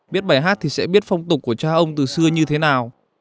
biết bài hát thì sẽ biết phong tục của cha ông từ xưa như thế nào